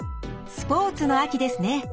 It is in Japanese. スポーツの秋ですね。